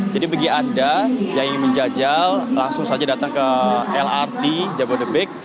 jadi bagi anda yang menjajal langsung saja datang ke lrt jabodetabek